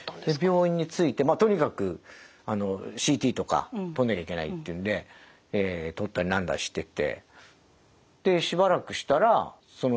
病院に着いてとにかくＣＴとか撮んなきゃいけないっていうんで撮ったりなんだりしてて。